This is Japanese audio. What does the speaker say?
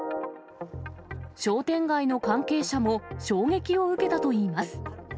商店街の関係者も衝撃を受けたといいます。